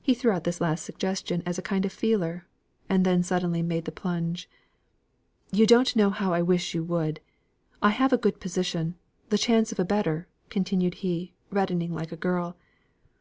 He threw out this last suggestion as a kind of feeler; and then suddenly made the plunge. "You don't know how I wish you would. I have a good position the chance of a better," continued he, reddening like a girl.